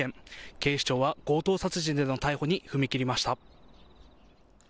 警視庁は強盗殺人での逮捕に踏み切りました。